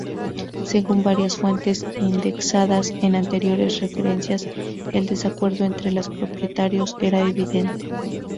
Según varias fuentes indexadas en anteriores referencias, el desacuerdo entre los propietarios era evidente.